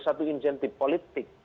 satu insentif politik